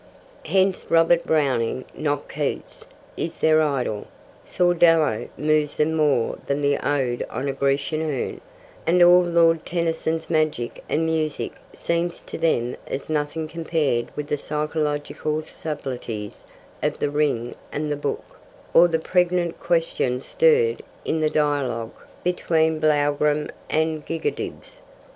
Hence Robert Browning, not Keats, is their idol; Sordello moves them more than the Ode on a Grecian Urn; and all Lord Tennyson's magic and music seems to them as nothing compared with the psychological subtleties of The Ring and the Book, or the pregnant questions stirred in the dialogue between Blougram and Gigadibs.